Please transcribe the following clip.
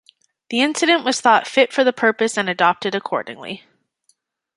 The incident was thought fit for the purpose and adopted accordingly.